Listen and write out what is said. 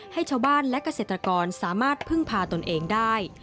ให้ชาวบ้านและเกษตรกรสามารถพึ่งพาตนเองได้